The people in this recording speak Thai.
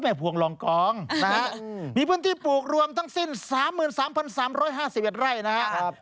ไม่ภวงรองกองนะมีพื้นที่ปลูกรวมทั้งสิ้น๓๓๓๕๐แวดไล่นะครับ